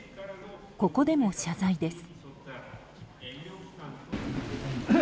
ここでも謝罪です。